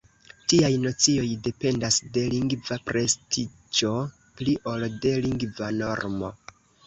Tiaj nocioj dependas de lingva prestiĝo pli ol de lingva normo.